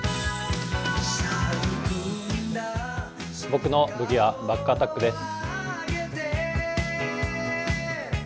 僕の武器はバックアタックです。